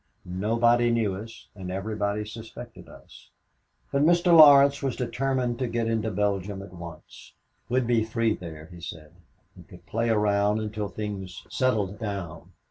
Nobody knew us and everybody suspected us, but Mr. Laurence was determined to get into Belgium at once. We'd be free there, he said, and could play around until things settled down.